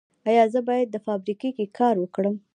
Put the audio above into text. ایا زه باید په فابریکه کې کار وکړم؟